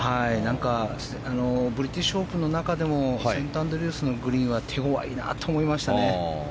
ブリティッシュオープンの中でもセントアンドリュースのグリーンは手強いなと思いましたね。